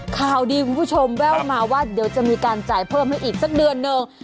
ข่าวดีคุณผู้ชมแว่วมาว่าเดี๋ยวจะมีการจ่ายเพิ่มให้อีกสักเดือนหนึ่ง